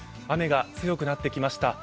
雨が強くなってきました。